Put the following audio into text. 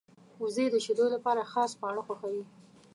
وزې د شیدو لپاره خاص خواړه خوښوي